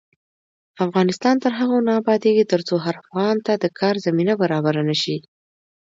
افغانستان تر هغو نه ابادیږي، ترڅو هر افغان ته د کار زمینه برابره نشي.